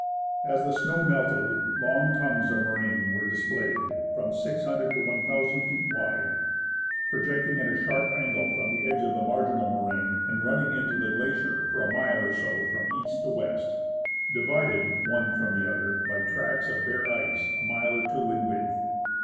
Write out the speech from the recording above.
As the snow melted, long tongues of moraine were displayed, from 600 to 1,000 feet wide, projecting at a sharp angle from the edge of the marginal moraine, and running into the glacier for a mile or so from east to west, divided one from the other by tracts of bare ice a mile or two in width.